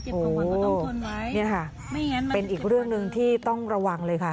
โอ้โหนี่ค่ะเป็นอีกเรื่องหนึ่งที่ต้องระวังเลยค่ะ